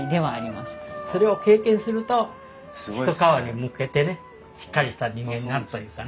それを経験すると一皮むけてねしっかりした人間になるというかね。